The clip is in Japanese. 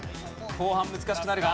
後半難しくなるが。